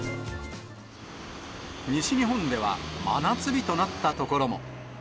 西日本では、真夏日となった所も。